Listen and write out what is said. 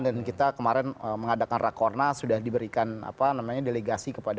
dan kita kemarin mengadakan rakorna sudah diberikan apa namanya delegasi kepala